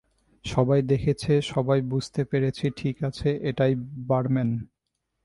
সবাই দেখেছে - সবাই - বুঝতে পেরেছি ঠিক আছে, এটাই, বারম্যান।